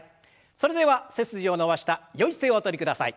それでは背筋を伸ばしたよい姿勢をおとりください。